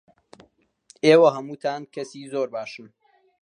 ئێوە هەمووتان کەسی زۆر باشن.